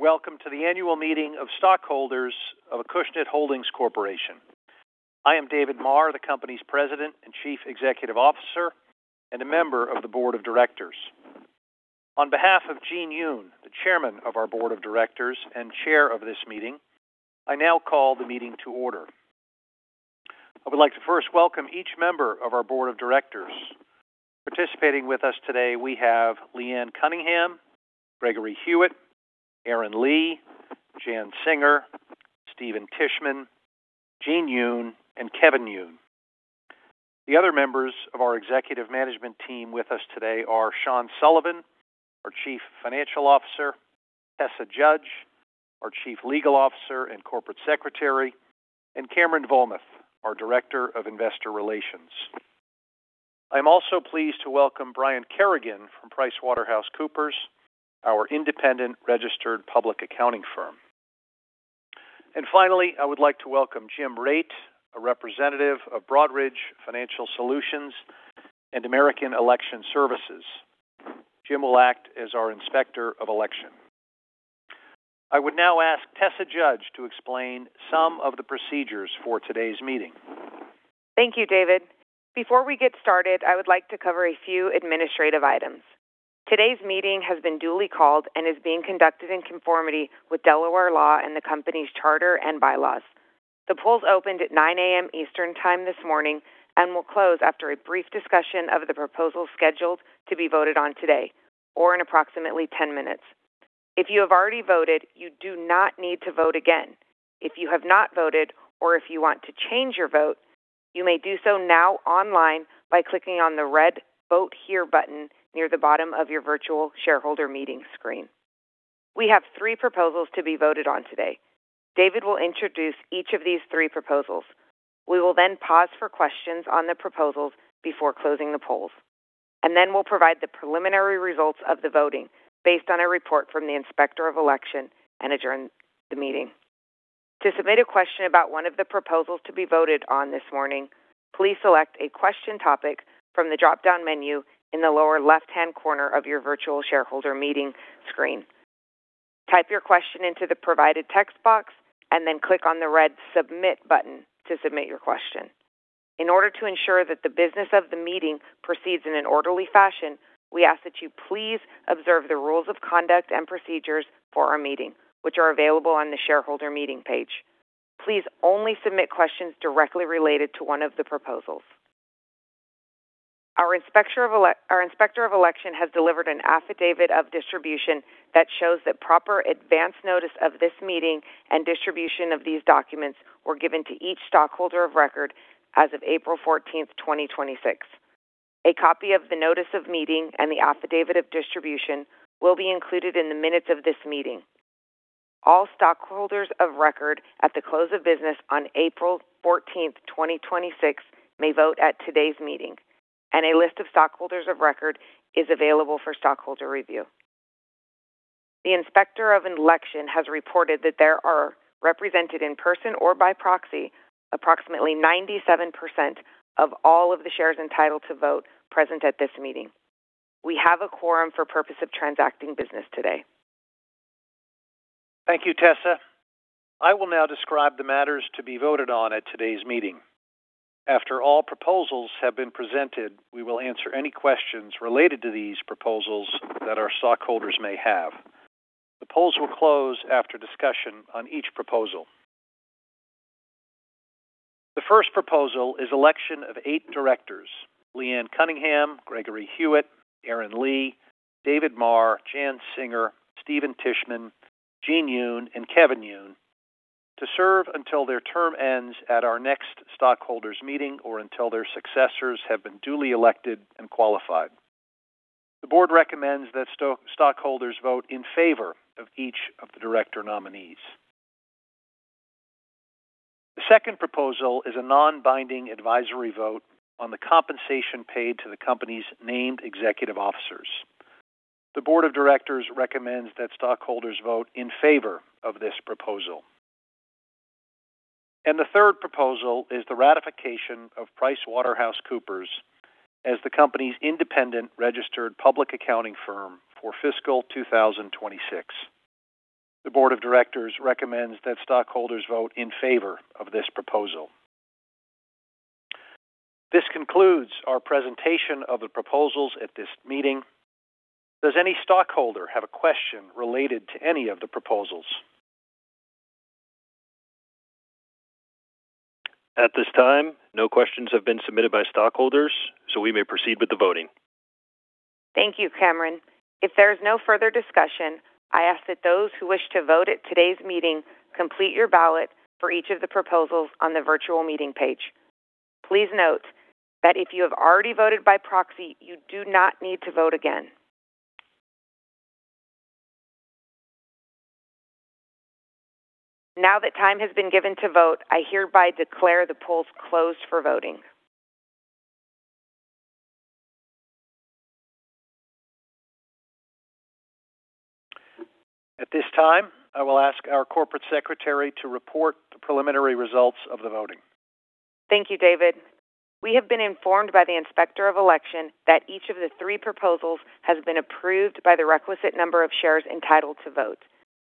Welcome to the annual meeting of stockholders of Acushnet Holdings Corporation. I am David Maher, the company's President and Chief Executive Officer and a member of the Board of Directors. On behalf of Gene Yoon, the Chairman of our Board of Directors and Chair of this meeting, I now call the meeting to order. I would like to first welcome each member of our Board of Directors. Participating with us today, we have Leanne Cunningham, Gregory Hewett, Aaron Lee, Jan Singer, Steven Tishman, Gene Yoon, and Kevin Yoon. The other members of our executive management team with us today are Sean Sullivan, our Chief Financial Officer, Tessa Judge, our Chief Legal Officer and Corporate Secretary, and Cameron Vollmuth, our Director of Investor Relations. I am also pleased to welcome Brian Kerrigan from PricewaterhouseCoopers, our independent registered public accounting firm. Finally, I would like to welcome Jim Young, a representative of Broadridge Financial Solutions and American Election Services. Jim will act as our Inspector of Election. I would now ask Tessa Judge to explain some of the procedures for today's meeting. Thank you, David. Before we get started, I would like to cover a few administrative items. Today's meeting has been duly called and is being conducted in conformity with Delaware law and the company's charter and bylaws. The polls opened at 9:00 A.M. Eastern Time this morning and will close after a brief discussion of the proposals scheduled to be voted on today, or in approximately 10 minutes. If you have already voted, you do not need to vote again. If you have not voted or if you want to change your vote, you may do so now online by clicking on the red Vote Here button near the bottom of your virtual shareholder meeting screen. We have three proposals to be voted on today. David will introduce each of these three proposals. We will then pause for questions on the proposals before closing the polls, and then we'll provide the preliminary results of the voting based on a report from the Inspector of Election and adjourn the meeting. To submit a question about one of the proposals to be voted on this morning, please select a question topic from the drop-down menu in the lower left-hand corner of your virtual shareholder meeting screen. Type your question into the provided text box and then click on the red Submit button to submit your question. In order to ensure that the business of the meeting proceeds in an orderly fashion, we ask that you please observe the rules of conduct and procedures for our meeting, which are available on the shareholder meeting page. Please only submit questions directly related to one of the proposals. Our Inspector of Election has delivered an affidavit of distribution that shows that proper advance notice of this meeting and distribution of these documents were given to each stockholder of record as of April 14th, 2026. A copy of the notice of meeting and the affidavit of distribution will be included in the minutes of this meeting. All stockholders of record at the close of business on April 14th, 2026, may vote at today's meeting, and a list of stockholders of record is available for stockholder review. The Inspector of Election has reported that there are represented in person or by proxy approximately 97% of all of the shares entitled to vote present at this meeting. We have a quorum for purpose of transacting business today. Thank you, Tessa. I will now describe the matters to be voted on at today's meeting. After all proposals have been presented, we will answer any questions related to these proposals that our stockholders may have. The polls will close after discussion on each proposal. The first proposal is election of eight directors, Leanne Cunningham, Gregory Hewett, Aaron Lee, David Maher, Jan Singer, Steven Tishman, Gene Yoon, and Kevin Yoon, to serve until their term ends at our next stockholders meeting or until their successors have been duly elected and qualified. The board recommends that stockholders vote in favor of each of the director nominees. The second proposal is a non-binding advisory vote on the compensation paid to the company's named executive officers. The Board of Directors recommends that stockholders vote in favor of this proposal. The third proposal is the ratification of PricewaterhouseCoopers as the company's independent registered public accounting firm for fiscal 2026. The Board of Directors recommends that stockholders vote in favor of this proposal. This concludes our presentation of the proposals at this meeting. Does any stockholder have a question related to any of the proposals? At this time, no questions have been submitted by stockholders, We may proceed with the voting. Thank you, Cameron. If there is no further discussion, I ask that those who wish to vote at today's meeting complete your ballot for each of the proposals on the virtual meeting page. Please note that if you have already voted by proxy, you do not need to vote again. Now that time has been given to vote, I hereby declare the polls closed for voting. At this time, I will ask our corporate secretary to report the preliminary results of the voting. Thank you, David. We have been informed by the Inspector of Election that each of the three proposals has been approved by the requisite number of shares entitled to vote.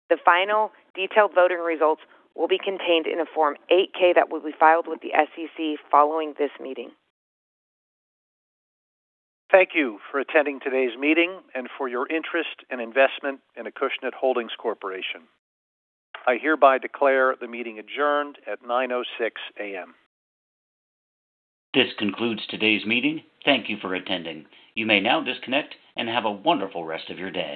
The final detailed voting results will be contained in a Form 8-K that will be filed with the SEC following this meeting. Thank you for attending today's meeting and for your interest and investment in Acushnet Holdings Corp.. I hereby declare the meeting adjourned at 9:06 A.M. This concludes today's meeting. Thank you for attending. You may now disconnect and have a wonderful rest of your day